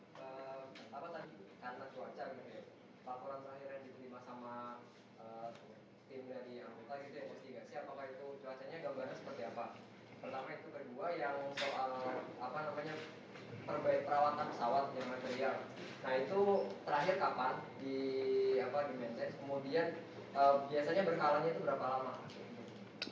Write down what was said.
berkalanya itu berapa lama